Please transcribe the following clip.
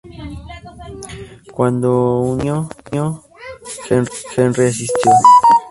Cuando niño, Henry Asistió St.